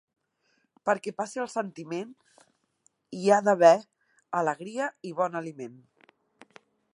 Perquè passi el sentiment hi ha d'haver alegria i bon aliment.